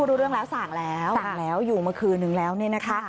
รู้เรื่องแล้วสั่งแล้วสั่งแล้วอยู่มาคืนนึงแล้วเนี่ยนะคะ